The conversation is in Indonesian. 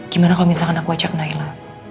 gimana kalau misalkan aku ajak naila